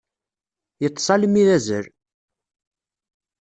Yeṭṭes almi d azal.